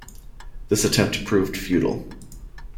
This attempt proved futile.